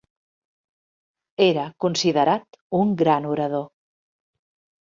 Era considerat un gran orador.